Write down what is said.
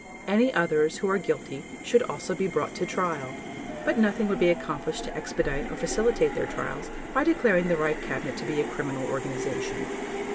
Any others who are guilty should also be brought to trial; but nothing would be accomplished to expedite or facilitate their trials by declaring the Reich Cabinet to be a criminal organization.